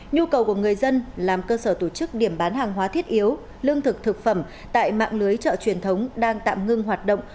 nhu cầu của người dân làm cơ sở tổ chức điểm bán hàng hóa thiết yếu lương thực thực phẩm tại mạng lưới chợ truyền thống đang tạm ngưng hoạt động